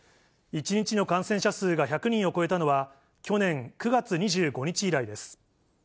１日の感染者数が１００人を超えたのは、去年９月２５日以来です。